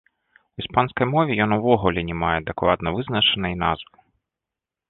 У іспанскай мове ён увогуле не мае дакладна вызначанай назвы.